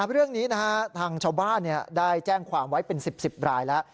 เรื่องนี้ทางชาวบ้านได้แจ้งความไว้เป็น๑๐รายแล้ว